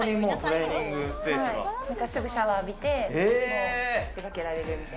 すぐシャワー浴びて出かけられるように。